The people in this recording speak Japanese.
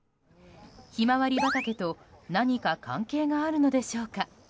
ヒマワリ畑と何か関係があるのでしょうか。